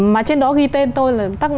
mà trên đó ghi tên tôi là